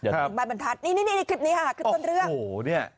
ครับบ้านบรรทัดนี่นี่นี่คลิปนี้ฮะคลิปต้นเรื่องโอ้โหเนี่ย